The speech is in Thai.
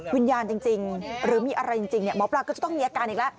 วิญญาณจริงหรือมีอะไรจริงหมอปลาก็จะต้องมีอาการอีกแล้ว